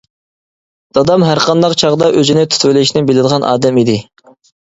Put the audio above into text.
دادام ھەرقانداق چاغدا ئۆزىنى تۇتۇۋېلىشنى بىلىدىغان ئادەم ئىدى.